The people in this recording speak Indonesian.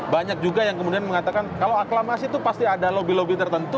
banyak juga yang kemudian mengatakan kalau aklamasi itu pasti ada lobby lobby tertentu